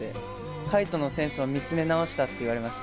海人のセンスを見つめ直したって言いました。